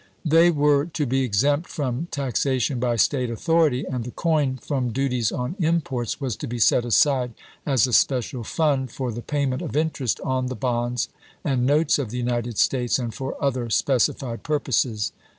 They were to be exempt from taxation by State authority, and the coin from duties on imports was to be set aside as a special fund for the payment of interest on the bonds and notes of the United States and for other specified purposes.